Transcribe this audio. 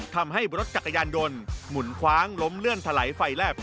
ทำให้รถจักรยานยนต์หมุนคว้างล้มเลื่อนถลายไฟแลบ